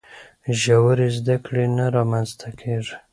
ژورې زده کړې نه رامنځته کیږي.